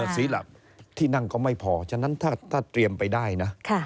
สีหลักที่นั่งก็ไม่พอฉะนั้นถ้าเตรียมไปได้นะ